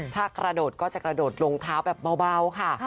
ถ้ากระโดดก็จะกระโดดลงเท้าแบบเบาค่ะ